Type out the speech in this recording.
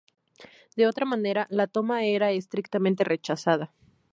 De otra manera, la toma era estrictamente rechazada.